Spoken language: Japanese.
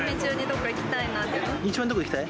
一番どこに行きたい？